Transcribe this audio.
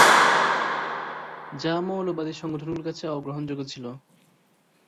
যা মৌলবাদী সংগঠনগুলোর কাছে অগ্রহণযোগ্য ছিল।